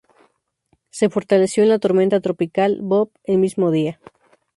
Se fortaleció en la tormenta tropical Bob el mismo día.